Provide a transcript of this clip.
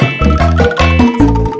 yang dulu nyiksa kita